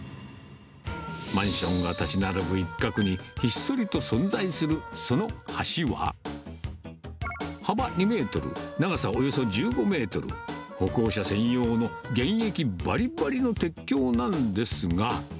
マンションが建ち並ぶ一角に、ひっそりと存在するその橋は、幅２メートル、長さおよそ１５メートル、歩行者専用の現役ばりばりの鉄橋なんですが。